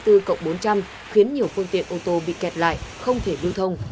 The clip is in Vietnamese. tư cộng bốn trăm linh khiến nhiều phương tiện ô tô bị kẹt lại không thể lưu thông